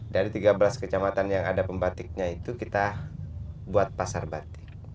dari tiga belas kecamatan yang ada pembatiknya itu kita buat pasar batik